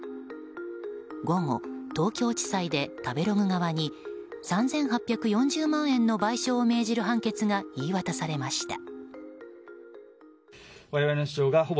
午後、東京地裁で食べログ側に３８４０万円の賠償を命じる判決が言い渡されました。